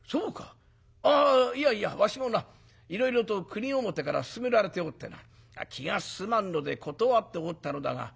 あいやいやわしもないろいろと国表から薦められておってな気が進まんので断っておったのだが。